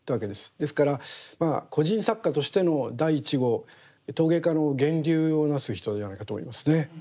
ですからまあ個人作家としての第１号陶芸家の源流をなす人じゃないかと思いますね。